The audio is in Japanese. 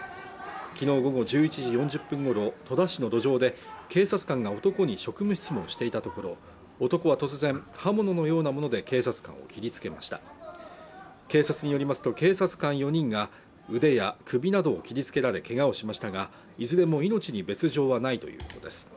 昨日午後１１時４０分ごろ戸田市の路上で警察官が男に職務質問をしていたところ男は突然刃物のようなもので警察官を切りつけました警察によりますと警察官４人が腕や首などを切りつけられけがをしましたがいずれも命に別状はないということです